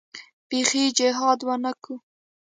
بيخي جهاد ونه کو.